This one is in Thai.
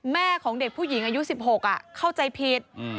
แม่ของเด็กผู้หญิงอายุ๑๖เข้าใจผิด